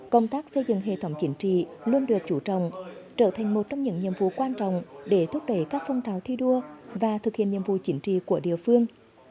công tác xây dựng hệ thống chính trị luôn được chủ trọng trở thành một trong những nhiệm vụ quan trọng để thúc đẩy các phong trào thi đua và thực hiện nhiệm vụ chính trị của địa phương